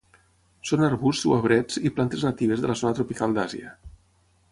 Són arbusts o arbrets i plantes natives de la zona tropical d'Àsia.